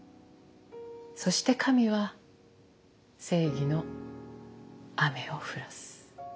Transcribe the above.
そして神は正義の雨を降らす。